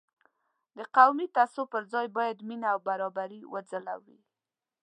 د قومي تعصب پر ځای باید مینه او برابري وځلوي.